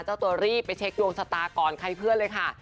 เจ้าตัวรีบไปเช็คดวงชะตาก่อนใครเพื่อนเลยค่ะ